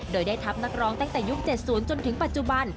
โดยได้ทัพนักร้องตั้งแต่ยุค๗๐จนถึงปัจจุบัน